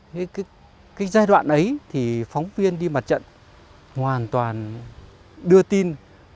thế cái giai đoạn ấy thì phóng viên đi mặt trận hoàn toàn đưa tin